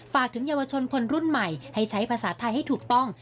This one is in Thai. ฝากถึงเยาวชนคนรุ่นใหม่ให้ใช้ภาษาไทยให้ถูกต้อง